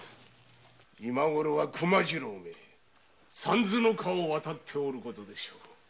今ごろは熊次郎三途の川を渡っておることでしょう。